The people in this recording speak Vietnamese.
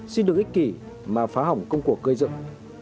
xin được ích kỷ mà phá hỏng công cuộc gây dựng